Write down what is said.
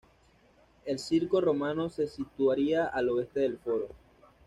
El circo romano se situaría al oeste del foro.